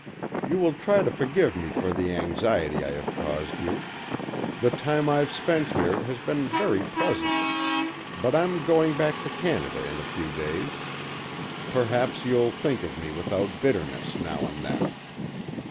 "You will try to forgive me for the anxiety I have caused you. The time I've spent here has been very pleasant, but I'm going back to Canada in a few days. Perhaps you'll think of me without bitterness now and then."